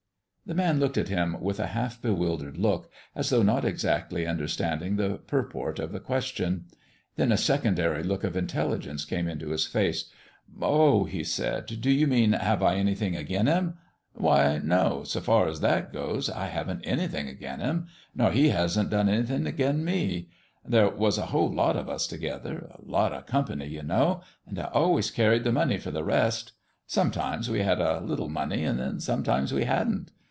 The man looked at him with a half bewildered look, as though not exactly understanding the purport of the question. Then a secondary look of intelligence came into his face. "Oh," he said, "do you mean have I anything agin Him? Why, no; so far as that goes I haven't anything agin Him, nor He hasn't done anything agin me. There was a lot of us together a kind of company, you know and I always carried the money for the rest. Sometimes we had a little money, and then sometimes we hadn't.